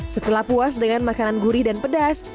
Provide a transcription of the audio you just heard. setelah puas dengan makanan gurih dan pedas